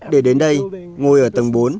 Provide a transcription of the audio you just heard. để đến đây ngồi ở tầng bốn